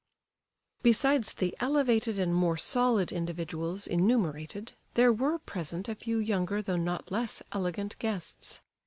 Besides the elevated and more solid individuals enumerated, there were present a few younger though not less elegant guests.